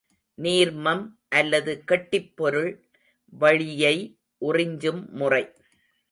நீர்மம் அல்லது கெட்டிப்பொருள் வளியை உறிஞ்சும் முறை.